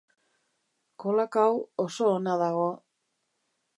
Kolakao oso ona dago